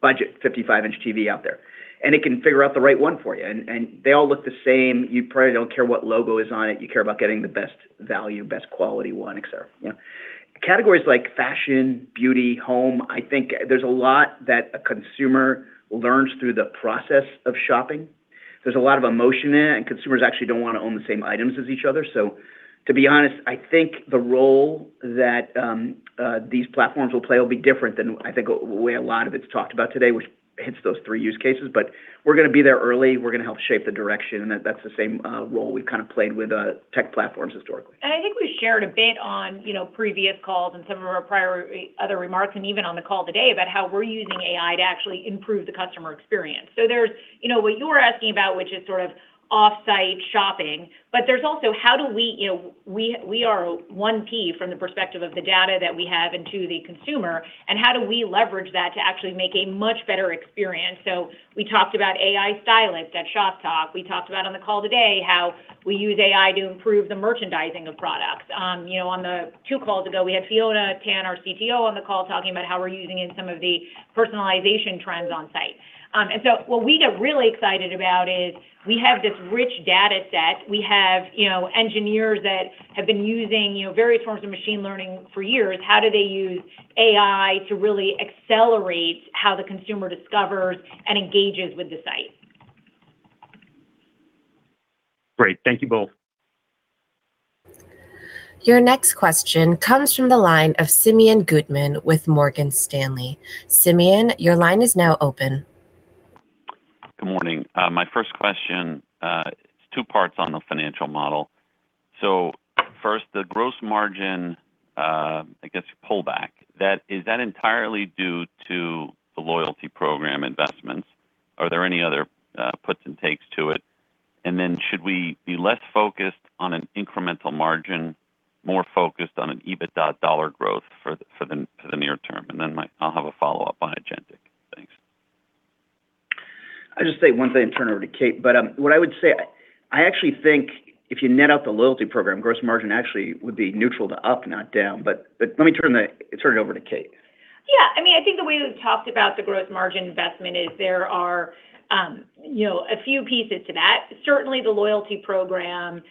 budget 55-inch TV out there?" They all look the same. You probably don't care what logo is on it. You care about getting the best value, best quality one, et cetera. You know. Categories like fashion, beauty, home, I think there's a lot that a consumer learns through the process of shopping. There's a lot of emotion in it. Consumers actually don't want to own the same items as each other. To be honest, I think the role that these platforms will play will be different than I think the way a lot of it's talked about today, which hits those three use cases. We're gonna be there early. We're gonna help shape the direction. That's the same role we've kind of played with tech platforms historically. I think we shared a bit on, you know, previous calls and some of our prior other remarks, and even on the call today about how we're using AI to actually improve the customer experience. There's, you know, what you were asking about, which is sort of off-site shopping. There's also how do we, you know, we are 1P from the perspective of the data that we have and to the consumer, and how do we leverage that to actually make a much better experience? We talked about AI stylists at Shoptalk. We talked about on the call today how we use AI to improve the merchandising of products. You know, two calls ago, we had Fiona Tan, our CTO, on the call talking about how we're using in some of the personalization trends on site. What we get really excited about is we have this rich data set. We have, you know, engineers that have been using, you know, various forms of machine learning for years. How do they use AI to really accelerate how the consumer discovers and engages with the site? Great. Thank you both. Your next question comes from the line of Simeon Gutman with Morgan Stanley. Simeon, your line is now open. Good morning. My first question, it's two parts on the financial model. First, the gross margin, I guess pullback, is that entirely due to the Wayfair Rewards investments? Are there any other puts and takes to it? Should we be less focused on an incremental margin, more focused on an EBITDA dollar growth for the near term? I'll have a follow-up on agentic. Thanks. I'll just say one thing and turn it over to Kate. What I would say, I actually think if you net out the loyalty program, gross margin actually would be neutral to up, not down. Let me turn it over to Kate. Yeah. I mean, I think the way we've talked about the gross margin investment is there are, you know, a few pieces to that. Certainly, the loyalty program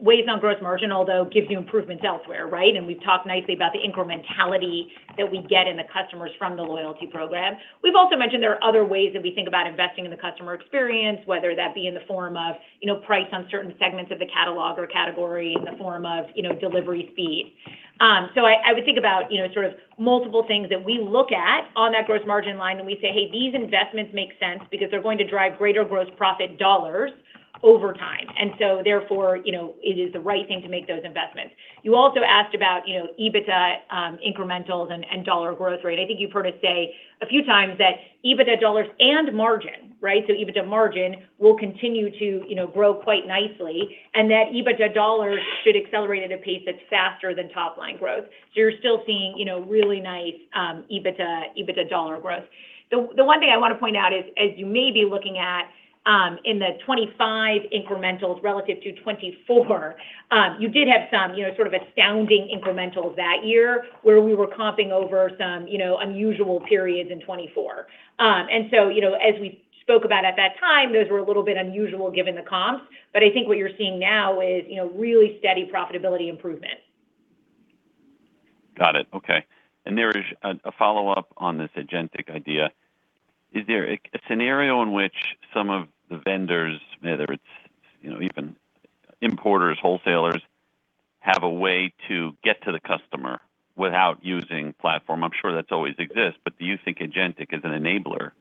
weighs on gross margin, although gives you improvements elsewhere, right? We've talked nicely about the incrementality that we get in the customers from the loyalty program. We've also mentioned there are other ways that we think about investing in the customer experience, whether that be in the form of, you know, price on certain segments of the catalog or category, in the form of, you know, delivery speed. I would think about, you know, sort of multiple things that we look at on that gross margin line and we say, "Hey, these investments make sense because they're going to drive greater gross profit dollars over time." Therefore, you know, it is the right thing to make those investments. You also asked about, you know, EBITDA incrementals and dollar growth rate. I think you've heard us say a few times that EBITDA dollars and margin, right? EBITDA margin will continue to, you know, grow quite nicely, and that EBITDA dollars should accelerate at a pace that's faster than top line growth. You're still seeing, you know, really nice EBITDA dollar growth. The one thing I want to point out is as you may be looking at in the 2025 incrementals relative to 2024, you did have some, you know, sort of astounding incrementals that year where we were comping over some, you know, unusual periods in 2024. You know, as we spoke about at that time, those were a little bit unusual given the comps. I think what you're seeing now is, you know, really steady profitability improvement. Got it. Okay. There is a follow-up on this agentic idea. Is there a scenario in which some of the vendors, whether it's, you know, even importers, wholesalers, have a way to get to the customer without using platform? I'm sure that's always exist, do you think agentic is an enabler,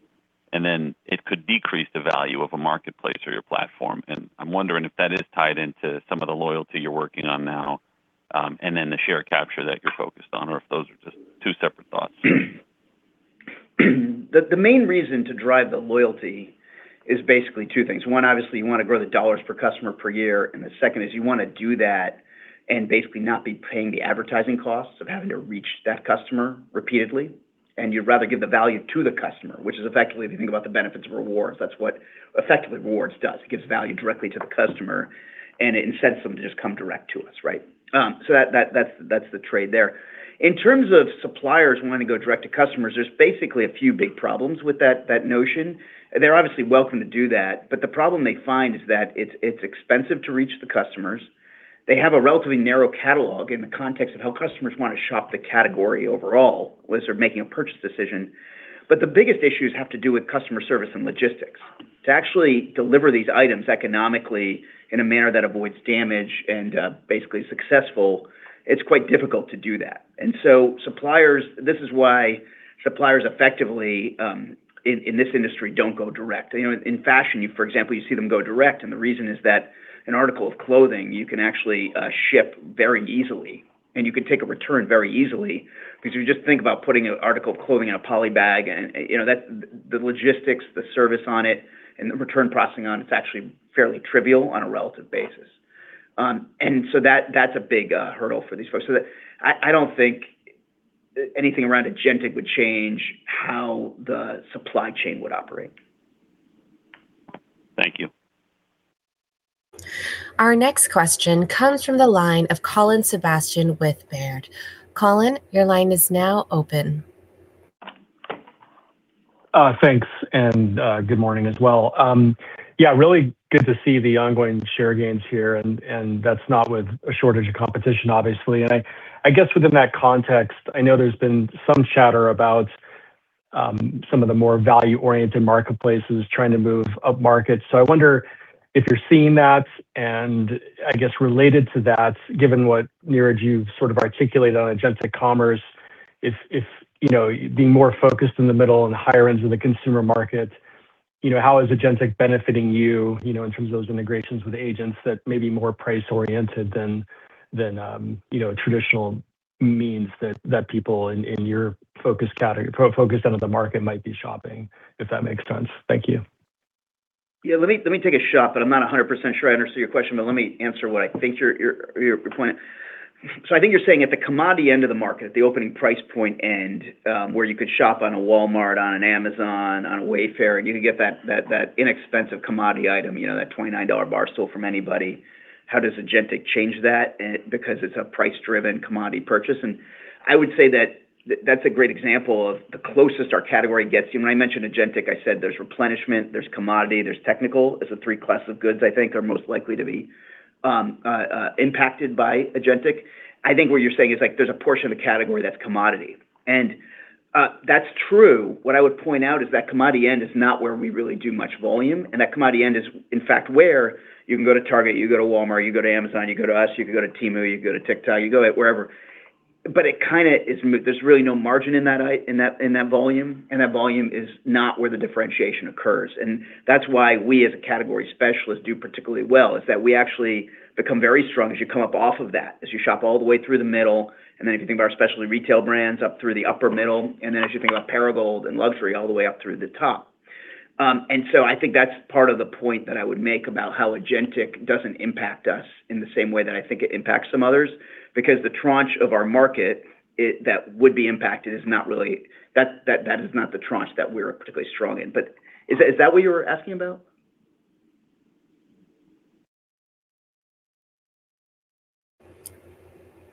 it could decrease the value of a marketplace or your platform? I'm wondering if that is tied into some of the loyalty you're working on now, the share capture that you're focused on, or if those are just two separate thoughts. The main reason to drive the loyalty is basically two things. One, obviously you wanna grow the dollars per customer per year, and the second is you wanna do that and basically not be paying the advertising costs of having to reach that customer repeatedly, and you'd rather give the value to the customer, which is effectively, if you think about the benefits of rewards, that's what effectively rewards does. It gives value directly to the customer, and it incents them to just come direct to us, right? That's the trade there. In terms of suppliers wanting to go direct to customers, there's basically a few big problems with that notion. They're obviously welcome to do that, the problem they find is that it's expensive to reach the customers. They have a relatively narrow catalog in the context of how customers wanna shop the category overall when sort of making a purchase decision. The biggest issues have to do with customer service and logistics. To actually deliver these items economically in a manner that avoids damage and, basically successful, it's quite difficult to do that. This is why suppliers effectively in this industry don't go direct. You know, in fashion you, for example, you see them go direct, and the reason is that an article of clothing, you can actually ship very easily, and you can take a return very easily. If you just think about putting an article of clothing in a poly bag and, you know, the logistics, the service on it, and the return processing on it's actually fairly trivial on a relative basis. That's a big hurdle for these folks. I don't think anything around agentic would change how the supply chain would operate. Thank you. Our next question comes from the line of Colin Sebastian with Baird. Colin, your line is now open. Thanks, good morning as well. Yeah, really good to see the ongoing share gains here and that's not with a shortage of competition, obviously. I guess within that context, I know there's been some chatter about some of the more value-oriented marketplaces trying to move up market. I wonder if you're seeing that. I guess related to that, given what, Niraj, you've sort of articulated on agentic commerce, if, you know, being more focused in the middle and higher ends of the consumer market, you know, how is agentic benefiting you know, in terms of those integrations with agents that may be more price oriented than, you know, traditional means that people in your focused end of the market might be shopping, if that makes sense. Thank you. Yeah, let me take a shot, but I'm not 100% sure I understood your question, but let me answer what I think your point. I think you're saying at the commodity end of the market, at the opening price point end, where you could shop on a Walmart, on an Amazon, on a Wayfair, and you could get that inexpensive commodity item, you know, that $29 bar stool from anybody. How does agentic change that? Because it's a price-driven commodity purchase. I would say that that's a great example of the closest our category gets. When I mention agentic, I said there's replenishment, there's commodity, there's technical as the three class of goods I think are most likely to be impacted by agentic. I think what you're saying is, like, there's a portion of the category that's commodity. That's true. What I would point out is that commodity end is not where we really do much volume, and that commodity end is, in fact, where you can go to Target, you can go to Walmart, you can go to Amazon, you can go to us, you can go to Temu, you can go to TikTok, you can go wherever. There's really no margin in that volume, and that volume is not where the differentiation occurs. That's why we, as a category specialist, do particularly well, is that we actually become very strong as you come up off of that, as you shop all the way through the middle, and then if you think about our specialty retail brands up through the upper middle, and then as you think about Perigold and luxury all the way up through the top. I think that's part of the point that I would make about how agentic doesn't impact us in the same way that I think it impacts some others, because the tranche of our market that would be impacted is not the tranche that we're particularly strong in. Is that what you were asking about?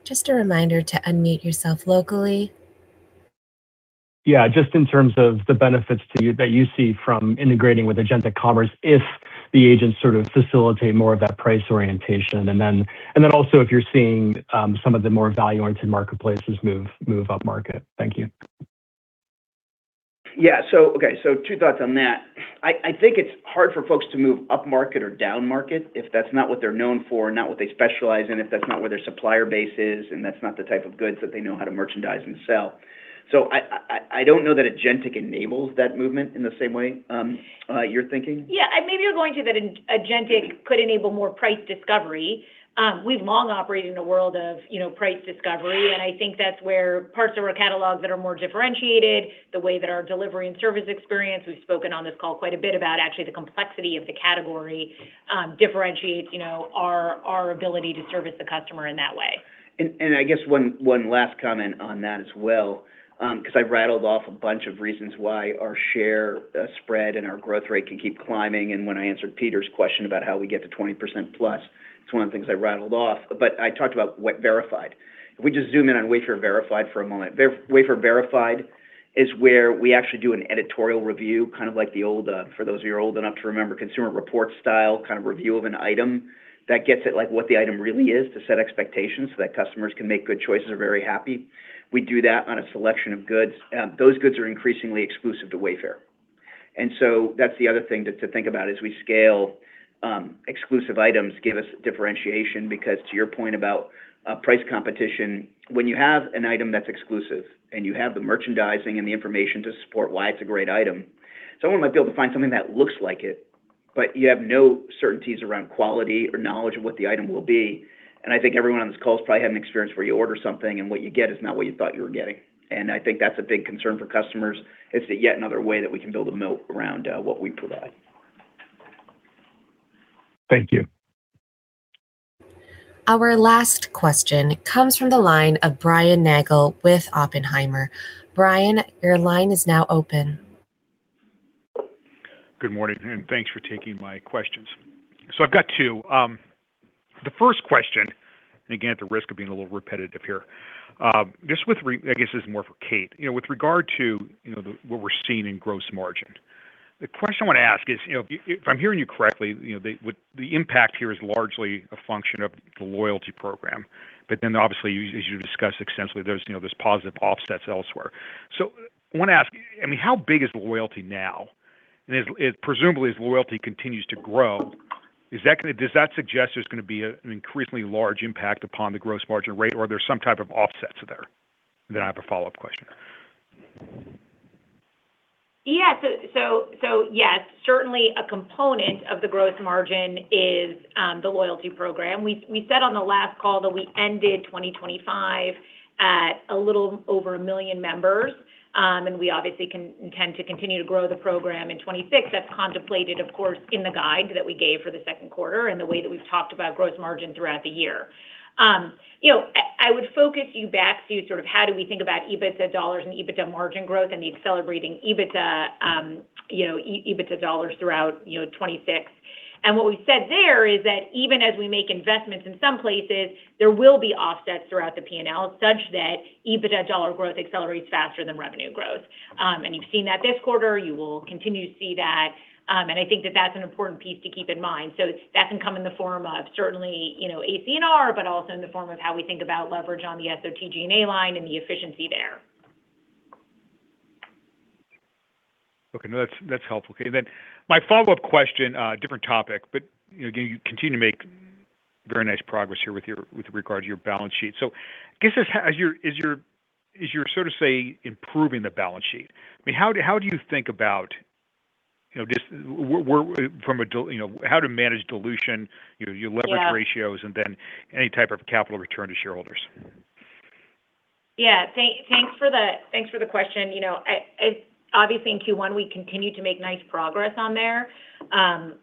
Just a reminder to unmute yourself locally. Yeah, just in terms of the benefits to you, that you see from integrating with agentic commerce, if the agents sort of facilitate more of that price orientation. Then, also if you're seeing some of the more value-oriented marketplaces move up market. Thank you. Yeah. Okay, two thoughts on that. I think it's hard for folks to move up market or down market if that's not what they're known for, not what they specialize in, if that's not where their supplier base is, and that's not the type of goods that they know how to merchandise and sell. I don't know that agentic enables that movement in the same way you're thinking. Yeah. Maybe you're alluding to that agentic could enable more price discovery. We've long operated in a world of, you know, price discovery, and I think that's where parts of our catalogs that are more differentiated, the way that our delivery and service experience, we've spoken on this call quite a bit about actually the complexity of the category, differentiates, you know, our ability to service the customer in that way. I guess one last comment on that as well, 'cause I've rattled off a bunch of reasons why our share spread and our growth rate can keep climbing. When I answered Peter's question about how we get to 20%+, it's one of the things I rattled off. I talked about what verified. If we just zoom in on Wayfair Verified for a moment. Wayfair Verified is where we actually do an editorial review, kind of like the old, for those of you who are old enough to remember Consumer Reports style, kind of review of an item that gets at, like, what the item really is to set expectations so that customers can make good choices. They're very happy. We do that on a selection of goods. Those goods are increasingly exclusive to Wayfair. That's the other thing to think about. As we scale, exclusive items give us differentiation because to your point about price competition, when you have an item that's exclusive and you have the merchandising and the information to support why it's a great item, someone might be able to find something that looks like it, but you have no certainties around quality or knowledge of what the item will be. I think everyone on this call has probably had an experience where you order something and what you get is not what you thought you were getting. I think that's a big concern for customers. It's yet another way that we can build a moat around what we provide. Thank you. Our last question comes from the line of Brian Nagel with Oppenheimer. Brian, your line is now open. Good morning, and thanks for taking my questions. I've got two. The first question, and again, at the risk of being a little repetitive here, I guess this is more for Kate. With regard to, you know, the, what we're seeing in gross margin, the question I wanna ask is, you know, if I'm hearing you correctly, you know, the, what, the impact here is largely a function of the loyalty program. Obviously, you, as you discussed extensively, there's positive offsets elsewhere. I wanna ask, I mean, how big is loyalty now? Presumably as loyalty continues to grow, does that suggest there's gonna be a, an increasingly large impact upon the gross margin rate, or are there some type of offsets there? I have a follow-up question. Yes, certainly a component of the gross margin is the loyalty program. We said on the last call that we ended 2025 at a little over 1 million members. We obviously intend to continue to grow the program in 2026. That's contemplated, of course, in the guide that we gave for the Q2 and the way that we've talked about gross margin throughout the year. I would focus you back to sort of how do we think about EBITDA dollars and EBITDA margin growth and the accelerating EBITDA, you know, EBITDA dollars throughout 2026. What we said there is that even as we make investments in some places, there will be offsets throughout the P&L such that EBITDA dollar growth accelerates faster than revenue growth. You've seen that this quarter. You will continue to see that. I think that that's an important piece to keep in mind. That can come in the form of certainly, you know, AC&R, but also in the form of how we think about leverage on the SOTG&A line and the efficiency there. No, that's helpful. My follow-up question, different topic, but, you know, you continue to make very nice progress here with your, with regard to your balance sheet. I guess as you're sort of, say, improving the balance sheet, I mean, how do you think about, you know, how to manage dilution, you know, your leverage ratios? Yeah Any type of capital return to shareholders? Thanks for the question. You know, obviously in Q1, we continued to make nice progress on there.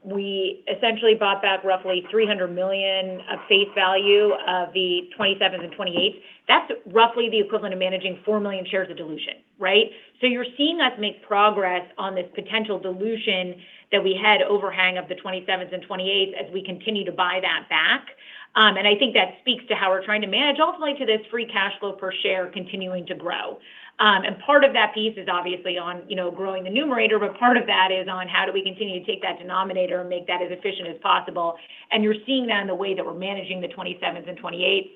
We essentially bought back roughly $300 million of face value of the 2027s and 2028s. That's roughly the equivalent of managing 4 million shares of dilution, right? You're seeing us make progress on this potential dilution that we had overhang of the 2027s and 2028s as we continue to buy that back. And I think that speaks to how we're trying to manage ultimately to this free cash flow per share continuing to grow. Part of that piece is obviously on, you know, growing the numerator, part of that is on how do we continue to take that denominator and make that as efficient as possible. You're seeing that in the way that we're managing the 2027s and 2028s.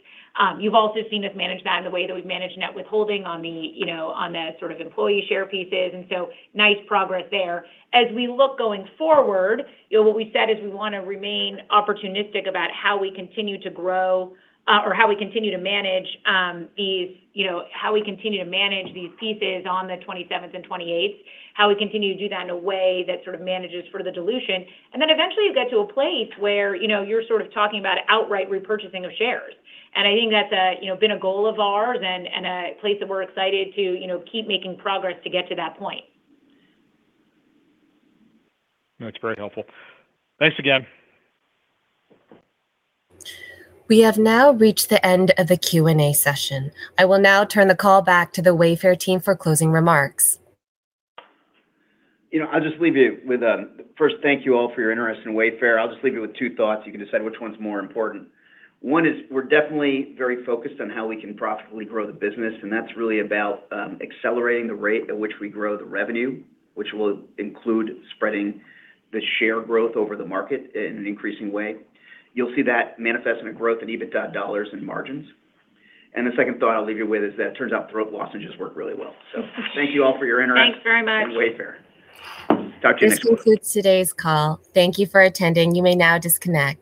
You've also seen us manage that in the way that we've managed net withholding on the, you know, on the sort of employee share pieces. Nice progress there. As we look going forward, you know, what we said is we wanna remain opportunistic about how we continue to grow, or how we continue to manage these, you know, how we continue to manage these pieces on the 27s and 28s, how we continue to do that in a way that sort of manages for the dilution. Eventually you get to a place where, you know, you're sort of talking about outright repurchasing of shares. I think that's a, you know, been a goal of ours and a place that we're excited to, you know, keep making progress to get to that point. No, it's very helpful. Thanks again. We have now reached the end of the Q&A session. I will now turn the call back to the Wayfair team for closing remarks. You know, I'll just leave you with, first, thank you all for your interest in Wayfair. I'll just leave you with two thoughts. You can decide which one's more important. One is we're definitely very focused on how we can profitably grow the business, and that's really about accelerating the rate at which we grow the revenue, which will include spreading the share growth over the market in an increasing way. You'll see that manifest in a growth in EBITDA dollars and margins. The second thought I'll leave you with is that it turns out throat lozenges work really well. Thank you all for your interest. Thanks very much. in Wayfair. Talk to you next quarter. This concludes today's call. Thank you for attending. You may now disconnect.